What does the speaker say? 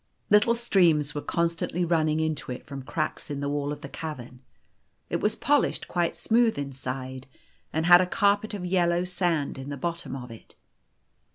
Little streams were constantly running into it from cracks in the wall of the cavern. It was polished quite smooth inside, and had a carpet of yellow sand in the bottom of it.